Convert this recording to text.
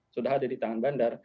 sudah ada di tangan bandar